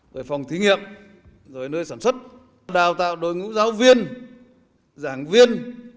rồi phòng thí nghiệm rồi nơi sản xuất đào tạo đội ngũ giáo viên giảng viên